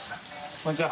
△蕁こんにちは。